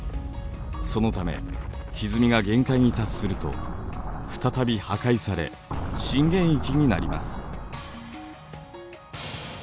そのためひずみが限界に達すると再び破壊され震源域になります。